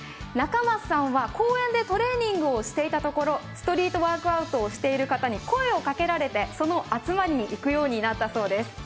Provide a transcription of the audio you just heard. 仲舛さんは公園でトレーニングしているところストリートワークアウトをしていた方に声をかけられてその集まりに行くようになったそうです。